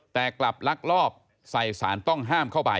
แต่กลับลักลอบใส่สารต้องห้ามเข้าไป